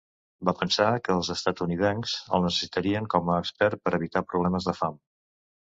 Va pensar que els estatunidencs el necessitarien com a expert per evitar problemes de fam.